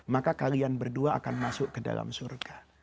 maka kalian berdua akan masuk ke dalam surga